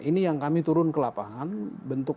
ini yang kami turun ke lapangan bentuk